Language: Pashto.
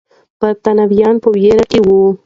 برتانويان په ویره کې وو.